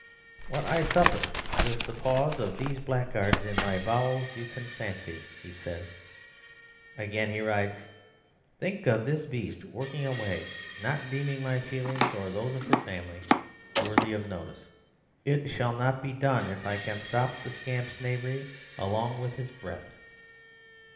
"What I suffer with the paws of these black guards in my bowels you can fancy," he says. Again he writes: "Think of this beast working away, not deeming my feelings, or those of her family, worthy of notice. It shall not be done if I can stop the scamp's knavery along with his breath."